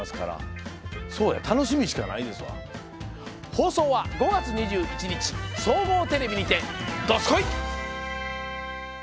放送は５月２１日総合テレビにて、どすこい！